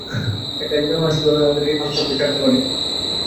একা একজন মানুষ কীভাবে আমাদের এই হাল করে ছাড়তে পারে?